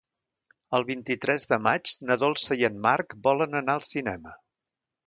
El vint-i-tres de maig na Dolça i en Marc volen anar al cinema.